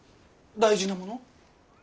大事なもの？